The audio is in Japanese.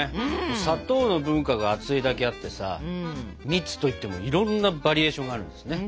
砂糖の文化が厚いだけあってさ蜜といってもいろんなバリエーションがあるんですね。